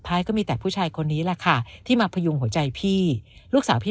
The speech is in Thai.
ก็มีแต่ผู้ชายคนนี้แหละค่ะที่มาพยุงหัวใจพี่ลูกสาวพี่